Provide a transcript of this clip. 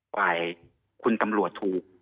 ฝ่ายคุณตำรวจถูก